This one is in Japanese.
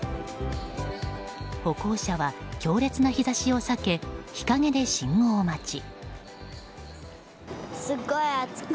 歩行者は強烈な日差しを避け日陰で信号待ち。